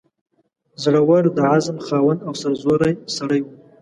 زړه ور، د عزم خاوند او سرزوری سړی وو.